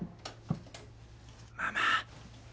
ママ。